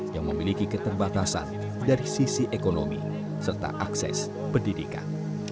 yang memiliki keterbatasan dari sisi ekonomi serta akses pendidikan